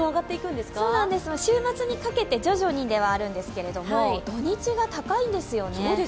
週末にかけて徐々にではあるんですけれど土日が高いんですよね。